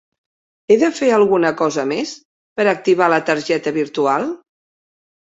He de fer alguna cosa més per activar la targeta virtual?